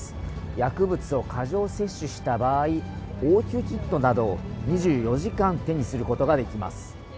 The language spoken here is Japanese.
薬物を過剰摂取した場合、応急キットなどを２４時間手にすることができます。